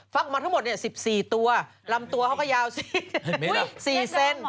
ฟักมาทั้งหมดเนี่ย๑๔ตัวลำตัวเขาก็ยาว๔เซน